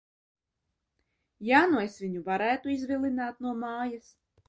Ja nu es viņu varētu izvilināt no mājas?